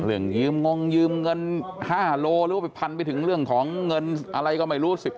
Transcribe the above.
ยืมงยืมเงิน๕โลหรือว่าไปพันไปถึงเรื่องของเงินอะไรก็ไม่รู้